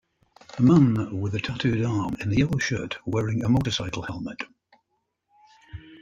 A man with a tattooed arm in a yellow shirt wearing a motorcycle helmet.